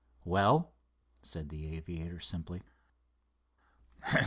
"Well?" said the aviator simply.